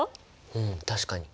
うん確かに。